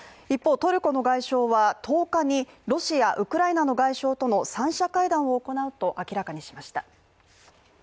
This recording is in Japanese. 一方、トルコの外相は１０日にロシア、ウクライナの外相との三者会談を行うと明らかにしました。